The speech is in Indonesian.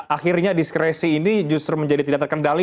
akhirnya diskresi ini justru menjadi tidak terkendali